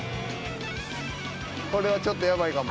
これはちょっとヤバいかも。